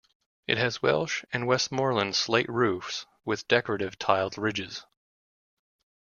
It has Welsh and Westmorland slate roofs with decorative tiled ridges.